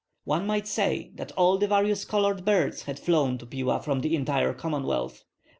One might say that all the various colored birds had flown to Pila from the entire Commonwealth.